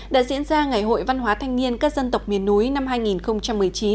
đã diễn ra ngày hội văn hóa thanh niên các dân tộc miền núi năm hai nghìn một mươi chín